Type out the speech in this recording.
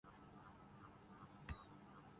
جو کا سبب پاکستان کرکٹ تنزلی کرنا جانب گامزن ہونا